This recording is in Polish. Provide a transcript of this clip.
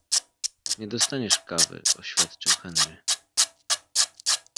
- Nie dostaniesz kawy - oświadczył Henry.